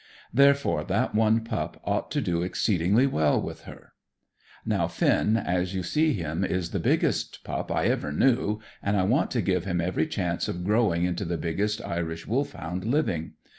Therefore that one pup ought to do exceedingly well with her. Now Finn, as you see him, is the biggest pup I ever knew, and I want to give him every chance of growing into the biggest Irish Wolfhound living.